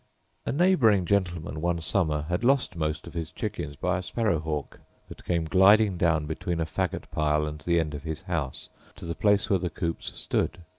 A neighbouring gentleman one summer had lost most of his chickens by a sparrow hawk, that came gliding down between a faggot pile and the end of his house to the place where the coops stood.